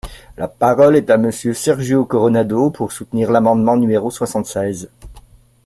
La parole est à Monsieur Sergio Coronado, pour soutenir l’amendement numéro soixante-seize.